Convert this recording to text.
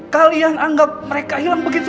kalian anggap mereka hilang begitu